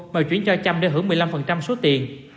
mà chuyển cho chăm để hưởng một mươi năm số tiền